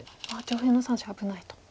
上辺の３子危ないと。